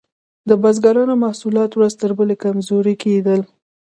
د بزګرانو محصولات ورځ تر بلې کمزوري کیدل.